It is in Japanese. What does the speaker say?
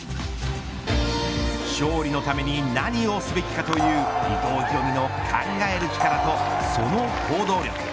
勝利のために何をすべきかという伊藤大海の考える力とその行動力。